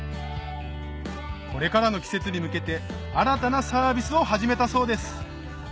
これからの季節に向けて新たなサービスを始めたそうです